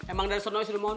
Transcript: emang dari seno sih limon